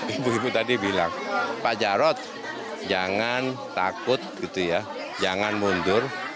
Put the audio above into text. ibu ibu tadi bilang pak jarod jangan takut gitu ya jangan mundur